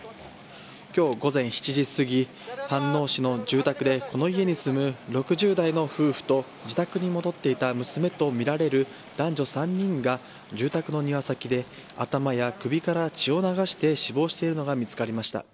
今日午前７時すぎ飯能市の住宅でこの家に住む６０代の夫婦と自宅に戻っていた娘とみられる男女３人が住宅の庭先で頭や首から血を流して死亡しているのが見つかりました。